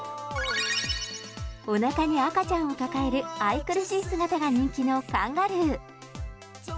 おなかに赤ちゃんを抱える愛くるしい姿が人気のカンガルー。